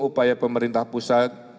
upaya pemerintah pusat